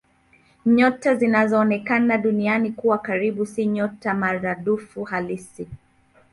Nyota zinazoonekana Duniani kuwa karibu si nyota maradufu halisi.